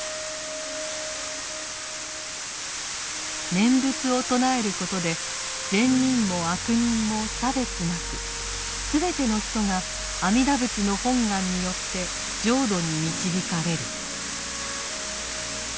念仏を称えることで善人も悪人も差別なく全ての人が阿弥陀仏の本願によって浄土に導かれる。